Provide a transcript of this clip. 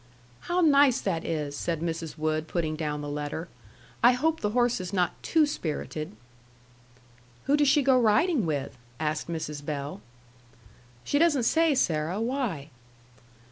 "How nice that is!" said Mrs. Wood, putting down the letter. "I hope the horse is not too spirited." "Who does she go riding with?" asked Mrs. Bell. "She doesn't say, Sarah. Why?"